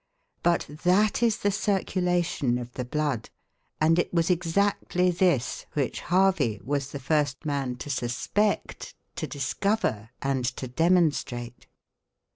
But that is the circulation of the blood, and it was exactly this which Harvey was the first man to suspect, to discover, and to demonstrate.